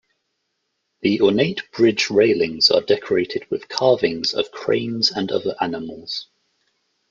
The ornate bridge railings are decorated with carvings of cranes and other animals.